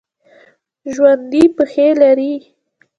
ژوندي پښې لري